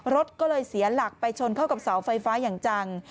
รถก็เลยเสียหลักไปชนเข้ากับเสาไฟฟ้าอย่างจัง